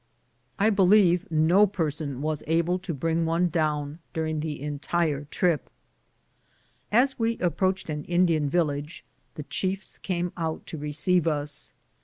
I believe no person was able to bring one down during the entire trip. As we approached an Indian village, the chiefs came out to receive us.